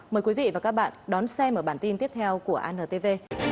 mời quý vị và các bạn đón xem ở bản tin tiếp theo của antv